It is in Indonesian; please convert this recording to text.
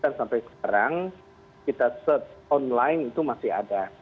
dan sampai sekarang kita search online itu masih ada